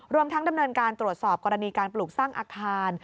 รวมทั้งดำเนินการตรวจสอบกรณีการปลูกสร้างอาคาร